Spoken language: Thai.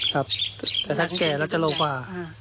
ครับแต่ถ้าแก่แล้วจะโลกว่า